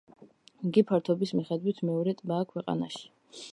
იგი ფართობის მიხედვით მეორე ტბაა ქვეყანაში.